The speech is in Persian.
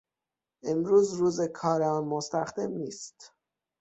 امروز روز کار آن مستخدم نیست.